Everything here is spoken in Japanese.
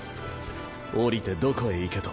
降りてどこへ行けと？